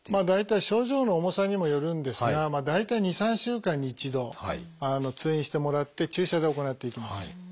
大体症状の重さにもよるんですが大体２３週間に一度通院してもらって注射で行っていきます。